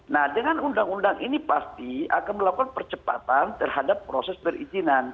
nah dengan undang undang ini pasti akan melakukan percepatan terhadap proses perizinan